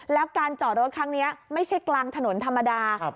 แล้วการจอดรถครั้งนี้ไม่ใช่กลางถนนธรรมดา